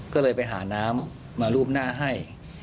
ก็เลยไปหาน้ำมารูปหน้าให้